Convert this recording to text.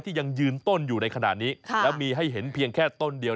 ยังยืนต้นอยู่ในขณะนี้แล้วมีให้เห็นเพียงแค่ต้นเดียว